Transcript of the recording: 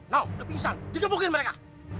nau lebih insan dikepukin mereka